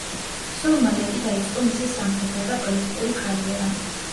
სულ მალე კი დაიწყო მისი სამხედრო და პოლიტიკური კარიერა.